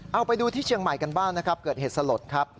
เอาไปดูที่เชียงใหม่กันบ้างนะครับเกิดเหตุสลดครับ